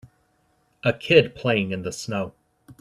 a kid playing in the snow.